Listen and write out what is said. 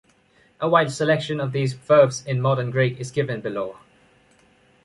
A wide selection of these verbs in Modern Greek is given below.